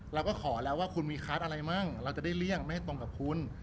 เราก็ขอแล้วว่าคุณมีคาร์ดอะไรมั่งเราจะได้เลี่ยงไม่ให้ตรงกับคุณ